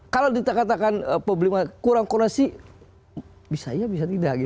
kalau dikatakan problematik kurang kurasi bisa iya bisa tidak gitu